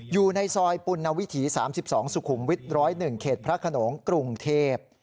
อยู่ในซอยปุณวิถี๓๒สุขุมวิท๑๐๑เขตพระขนงกรุงเทพ